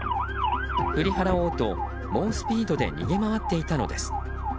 振り払おうと、猛スピードで逃げ回っていたのです。